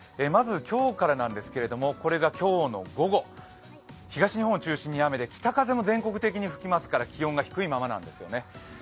まず今日からなんですが、これが今日の午後、東日本を中心に雨で、北風も全国的に吹きますから気温が低いままなんですよね。